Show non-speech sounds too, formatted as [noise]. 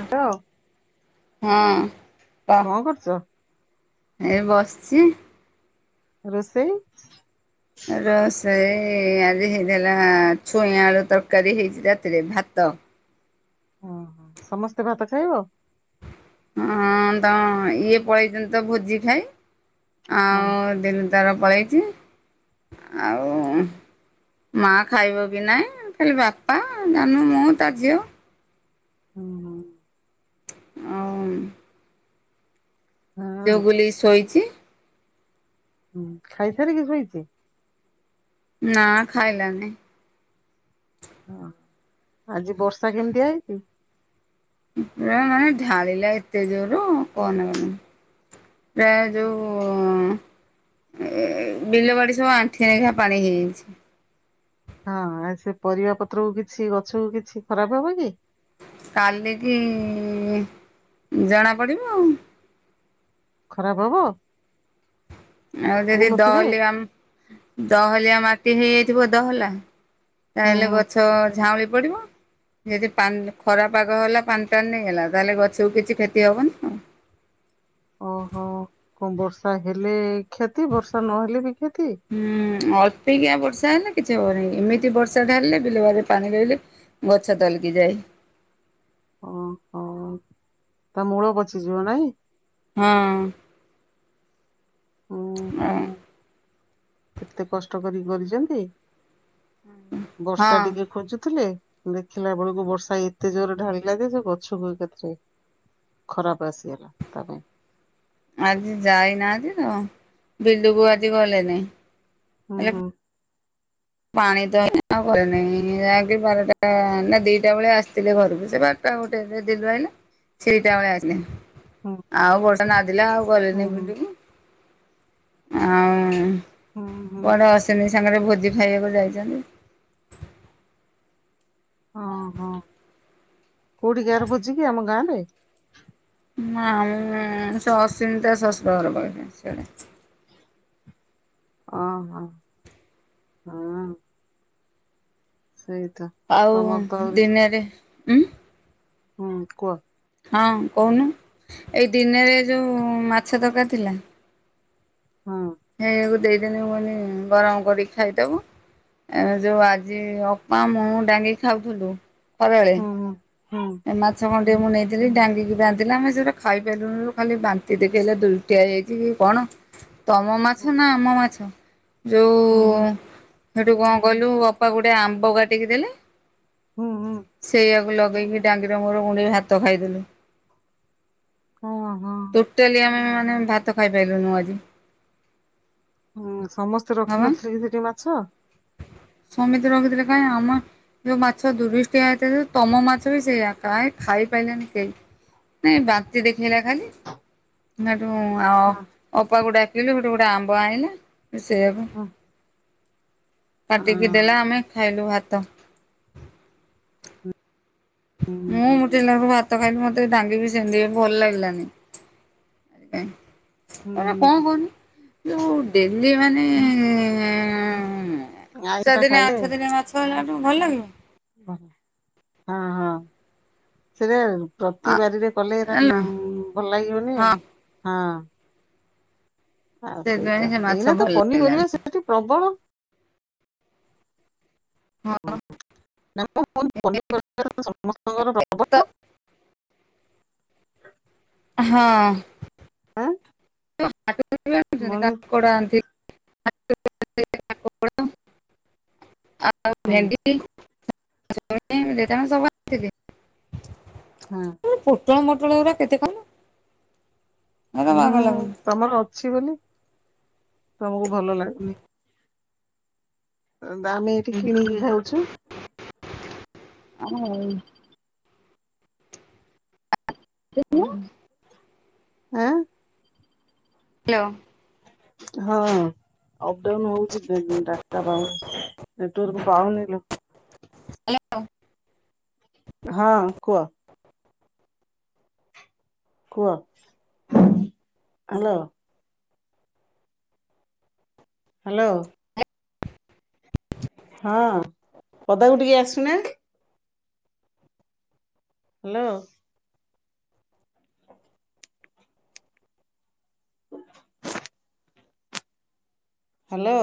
ହ ତ। ହଁ କ? କଁ କରୁଚ? ଏ ବସିଚି। ରୋଷେଇ? ରୋଷେଇ ଆଜି ହେଇଥିଲା ଛୁଇଁ ଆଳୁ ତରକାରୀ ହେଇଚି ରାତିରେ ଭାତ। ହଁ ହଁ! ସମସ୍ତେ ଭାତ ଖାଇବ? ହଁ ତ ଇଏ ପଳେଇଚନ୍ତି ତ ଭୋଜି ଖାଇ ହୁଁ ଆଉ [unintelligible] ତାର ପଳେଇଚି ଆଉ‌ ଉମ୍ ମା ଖାଇବ କି ନାହିଁ ଖାଲି ବାପା, ଜାନୁ, ମୁଁ, ତା ଝିଅ। ହଁ ହଁ! ଆଉମ୍ ହଁ ଯୋଉ ବୁଲି ଶୋଇଚି। ହୁଁ ଖାଇସାରିକି ଶୋଇଚି? ନା ଖାଇଲାନି। ଓହୋ! ଆଜି ବର୍ଷା କେମିତିଆ ହେଇଚି? ପୁରା ମାନେ ଢାଳିଲା ଏତେ ଜୋରୋ କହନା କହନା। ପ୍ରାୟ ଯଉଁ ଏ ବିଲବାଡି ସବୁ ଆଣ୍ଠି ଆଖିଆ ପାଣି ହେଇଯାଇଚି। ହଁ ଆ ସେ ପରିବା ପତ୍ରକୁ କିଛି ଗଛକୁ କିଛି ଖରାପ ହବ କି? କାଲିକି ଜଣା ପଡିବ ଆଉ। ଖରାପ ହବ? ଆଉ ଯଦି କହୁନଥିବେ ଦହଲିଆମ ଦହଲିଆ ମାଟି ହେଇଯାଇଥିବ ଦହଲା। ହୁଁ ତାହେଲେ ହୁଁ ଗଛ ଝାଉଁଳି ପଡିବ‌। ଯଦି ପାନ୍ ଖରା ପାଗ ହେଲା ପାନ୍ ଟାଣି ନେଇ ହେଲା ତାହେଲେ ଗଛକୁ କିଛି କ୍ଷତି ହବନି। ଆଉ। ଓହୋ କଁ ବର୍ଷା ହେଲେ କ୍ଷତି ବର୍ଷା ନହେଲେ ବି କ୍ଷତି। ହୁଁ ଅଳ୍ପିକିଆ ବର୍ଷା ହେଲେ କିଛି ହବ ନାହିଁ। ଏମିତି ବର୍ଷା ଢାହାରିଲେ ବିଲବାଡ଼ିରେ ପାଣି ରହିଲେ ବଛା ତଲକି ଯାଇ। ଓହୋ ତା ମୂଳ ପଚିଯିବ ନାଇଁ? ହଁ! ଉଁ ଆ। ହୁଁ କେତେ କଷ୍ଟ କରିକି କରିଚନ୍ତି ବର୍ଷା ହଁ ଟିକେ ଖୋଜୁଥିଲେ। ଦେଖିଲା ବେଳକୁ ବର୍ଷା ଏତେ ଜୋରରେ ଢାଳିଲା ଯେ ସେ ଗଛକୁ ଏକାଥରେ ଖରାପ ଆସିଗଲା ତା ପାଇଁ। ଆଜି ଯାଇନାହାନ୍ତି ତ ବିଲୁକୁ ଆଜି ଗଲେନି। ହୁଁ ହେଲେ ହୁଁ। ପାଣି ତ ଆଉ ଘରେ ନାଇଁ ଯାହାକି ବାରଟା ନା ଦିଟା ବେଳେ ଆସିଥିଲେ ଘରକୁ ସେ ବା ଟା ଗୋଟେ [unintelligible] ସେଇଟା ବେଳେ ଆଇଲେ। ଆଉ ବର୍ଷା ନାଦିଲା ଆଉ ହୁଁ ଗଲେନି ହୁଁ ବିଲୁକୁ। ଆଉଁ ହୁଁ ହୁଁ ହୁଁ। ପରେ ଅଶନି ସାଙ୍ଗରେ ଭୋଜି ଖାଇବାକୁ ଯାଇଚନ୍ତି‌। ହଁ ହଁ! କୋଉଠି ଗାର ଭୋଜି କିି ଆମ ଗାଁରେ? ନା ମୁଁ ସସିମି ତା ଶଶୁର ଘର କୁଆଡେ ସେଆଡେ। ଓ ହୋ ହୁଁ। ସେଇତ। ଆଉ ତମର ତ ଆହୁରି ଦିନରେ ଉଁ ହୁଁ କୁହ? ହଁ କହୁନୁ ଏଇ ଦିନରେ ଯୋଉ ମାଛ ତର୍କାରି ଥିଲା ହଁ। ଏଁ ଆକୁ ଦେଇଦେନି ମୁ କହିନି ଗରମ୍ କରିକି ଖାଇଦବୁ ଏଣେ ଯୋଉ ଆଜି ଅପା ମୁଁ ଦାଙ୍ଗି ଖାଉଥୁଲୁ ହୁଁ ହୁଁ ହୁଁ। ମାଛ ଖଣ୍ଡିଏ ମୁଁ ନେଇଥିଲି ଡାଙ୍ଗିକି ରାନ୍ଧିଲା ଆମେ ସେଇଠୁ ଖାଇପାଇଲୁନିଲ ଖାଲି ବାନ୍ତି ଦେଖେଇଲା ଦୁ ଟିଆ ହେଇ ଯାଇଛି କି କଣ ତମ ମାଛ ନା ଆମ ମାଛ ଯଉ ଉଁ ହୁଁ। ହେଠୁ କଣ କଲୁ ମୋ ଅପା ଗୋଟେ ଆମ୍ବ କାଟିକି ଦେଲେ ହୁଁ ହୁଁ। ସେଇଆକୁ ଲଗେଇକି ଡାଙ୍ଗିର ମୋର ଗୁଣ୍ଡିଏ ଭାତ ଖାଇଦେଲୁ। ହଁ ହଁ। ଟୋଟାଲି ଆମେ ମାନେ ଭାତ ଖାଇପାଇଲୁନୁ ଆଜି। ହୁଁ ସମସ୍ତେ ହଁ ରଖିନଥିଲେ କି ସେଠି ମାଛ? ସମତେ ରଖିଥିଲେ କାଇଁ ଆମା ଯଉ ମାଛ ଦୂୃଷ୍ଟିଆ ହେଇଥାଏ ତମ ମାଛ ବି ସେଇଆ କାଁଇ ଖାଇପାରିଲାନି କେହି ନାଇଁ ବାନ୍ତି ଦେଖେଇଲା ଖାଲି ନାଠୁ ଅ ହଁ ଅପାକୁ ଡାକିଲି ଗୋଟେ ଗୋଟେ ଆମ୍ବ ଆଇଁଲା ସେଇୟାକୁ ହଁ। କାଟିକି ଦେଲା ହଁ। ଆମେ ଖାଇଲୁ ଭାତ। ହୁଁ ମୁଁ ମୋଟିଏ ଲାଗୁ ଭା ତ ଖାଇଲି ମତେ ଡାଙ୍ଗିବି ସେମିତି ଭଲ୍ ଲାଗିଲାନି କାଇଁ ଏରା ଙ୍କ ହୁଁ କୁହନି ଯଉ ଡେଲି ମାନେ ହୁଁ। ଆଇଁଷ ଟା ଚାର୍ ଦିନି ଖାଇଲେ ଆଠ ଦିନି ମାଛ ହେଲାଟୁ ଭଲ୍ ଲାଗିବ ଓ ହଁ ହଁ ସେତେବେଳେକୁ ଆ ପ୍ରତି ବାରିରେ କଲେ ଏରା ହେଲା ଭଲ୍ ଲାଗିବନି ଆଉ ହଁ ହଁ। ଆଉ ସେଥିପାଇଁ ସେଇତ ସେ ମାଛ ଏଇନା ତ ଭଲ ଲାଗିଲାନି। ପନିପରିବା ସେଠି ପ୍ରବଳ ହଁ [unintelligible] ସମସ୍ତଙ୍କର ତ ଆ ହଁ। ଆଁ? [unintelligible] [unintelligible] ମନେ ଆଉ ହଁ ଭେଣ୍ଡି [unintelligible] ହଁ। ଏଇ ପୋଟଳ ମୋଟଳ ଗୁରା କେତେ କଣ ହେରା ହୁଁ ବାଗଲାଗୁନି। ତମର ଅଛି ବଲି ତମକୁ ଭଲ ଲାଗୁନି। ଏ ଦାମେ ଏଇଠି କିଣିକି ଖାଉଛୁ [unintelligible] ଉଁ ହୁଁ ଆଁ। ହାଲୋ। ହଁ। ଅପ ଡାଉନ ହଉଛି [unintelligible] ଡାଟା ପାଉନି। ନେଟୱର୍କ ପାଉନିଲ। ହ୍ୟାଲୋ! ହଁ, କୁହ? କୁହ? ହ୍ୟାଲୋ? ହ୍ୟାଲୋ? ହଁ, ପଦାକୁ ଟିକେ ଆସୁନା ହ୍ୟାଲୋ? [inaudible] ହ୍ୟାଲୋ?